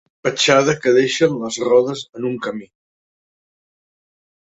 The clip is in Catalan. Petjada que deixen les rodes en un camí.